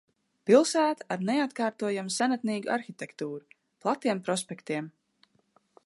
Pilsēta ar neatkārtojamu senatnīgu arhitektūru, platiem prospektiem.